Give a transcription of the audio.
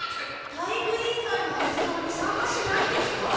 体育委員会の活動にさんかしないんですか？